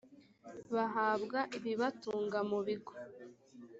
bahabwa ibibatunga mu bigo